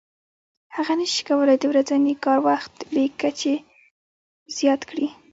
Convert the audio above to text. هغه نشي کولای د ورځني کار وخت بې کچې زیات کړي